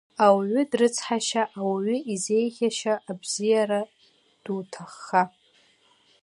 Ауаҩы дрыцҳашьа, ауаҩы изеиӷьашьа, абзиара, дуҭахха.